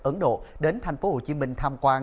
ấn độ đến tp hcm tham quan